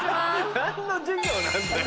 何の授業なんだよ。